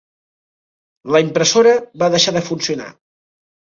La impressora va deixar de funcionar.